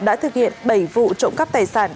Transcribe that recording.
đã thực hiện bảy vụ trộm cắp tài sản